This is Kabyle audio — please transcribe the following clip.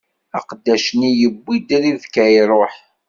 Aqeddac-nni yewwi Ribka, iṛuḥ.